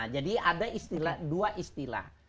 jadi ada istilah dua istilah